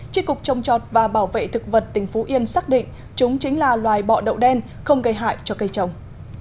tri cục trông chọt và bảo vệ thực vật tỉnh phú yên xác định chúng chính là loài bọ đậu đen không gây hại cho cây trồng